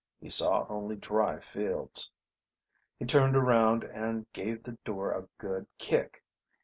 He saw only dry fields. He turned around and gave the door a good kick.